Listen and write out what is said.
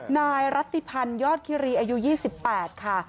นายรัติพันธ์ยอดคิรีอายุ๒๘ค่ะ